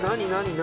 何？